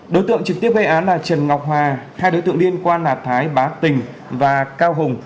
đối tượng trực tiếp gây án là trần ngọc hòa hai đối tượng liên quan là thái bá tình và cao hùng